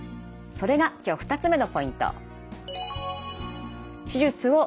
それが今日２つ目のポイント。